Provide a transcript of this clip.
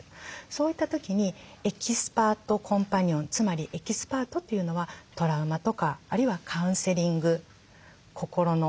そういった時にエキスパートコンパニオンつまりエキスパートというのはトラウマとかあるいはカウンセリング心の。